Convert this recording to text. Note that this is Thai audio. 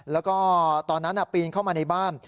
แล้วก็ตอนนั้นปีนเข้ามาในบ้าน